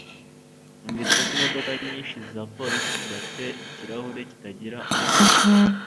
Numvise ko imodoka nyinshi za polisi zidafite ikirahure kitagira amasasu